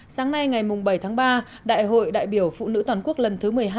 sáng nay ngày bảy tháng ba đại hội đại biểu phụ nữ toàn quốc lần thứ một mươi hai